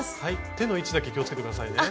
手の位置だけ気をつけて下さいね。